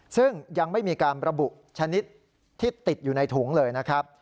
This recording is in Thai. ซึ่งยังไม่มีการระบุชนิดที่ติดอยู่ในถุงเลยนะครับ